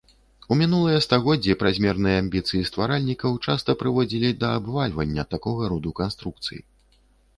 У мінулыя стагоддзі празмерныя амбіцыі стваральнікаў часта прыводзілі да абвальвання такога роду канструкцый.